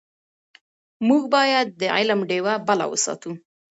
موږ باید د علم ډېوه بله وساتو.